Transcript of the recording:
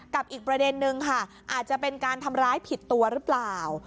อีกประเด็นนึงค่ะอาจจะเป็นการทำร้ายผิดตัวหรือเปล่า